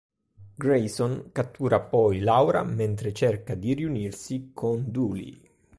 Grayson cattura poi Laura mentre cerca di riunirsi con Dooley.